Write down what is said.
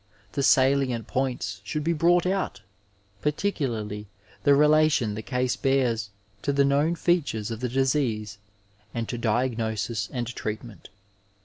The salient points should be brought out, particularly the relati<xi the case bears to the known features of the disease and to diagnosis and treatment.